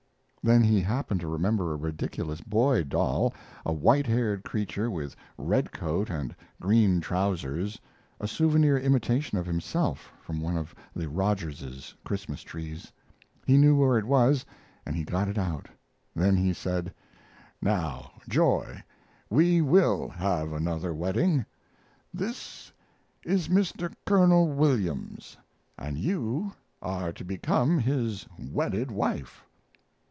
Then he happened to remember a ridiculous boy doll a white haired creature with red coat and green trousers, a souvenir imitation of himself from one of the Rogerses' Christmas trees. He knew where it was, and he got it out. Then he said: "Now, Joy, we will have another wedding. This is Mr. Colonel Williams, and you are to become his wedded wife."